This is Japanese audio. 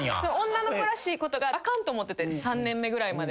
女の子らしいことがあかんと思ってて３年目ぐらいまで。